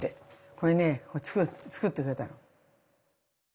これね作ってくれたの。